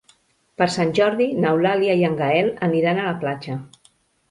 Per Sant Jordi n'Eulàlia i en Gaël aniran a la platja.